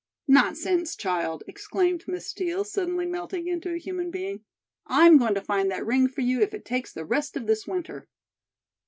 "Nonsense, child!" exclaimed Miss Steel, suddenly melting into a human being. "I'm going to find that ring for you if it takes the rest of this winter."